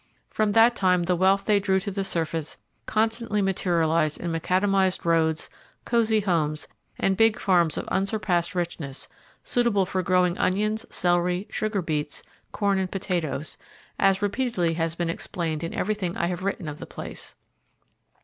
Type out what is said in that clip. From that time the wealth they drew to the surface constantly materialized in macadamized roads, cosy homes, and big farms of unsurpassed richness, suitable for growing onions, celery, sugar beets, corn and potatoes, as repeatedly has been explained in everything I have written of the place.